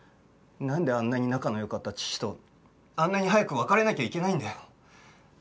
なんであんなに仲の良かった父とあんなに早く別れなきゃいけないんだよ。